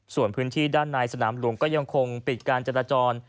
ส่วนพื้นที่ด้านในสนามหลวงก็ยังคงปิดการจราจร